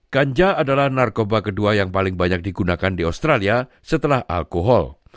ganja adalah narkoba kedua yang paling banyak digunakan di australia setelah alkohol